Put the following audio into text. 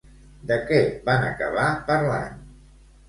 De què van acabar parlant?